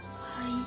はい。